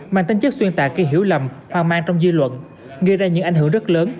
mang tính chất xuyên tạc kỷ hiểu lầm hoang mang trong dư luận gây ra những ảnh hưởng rất lớn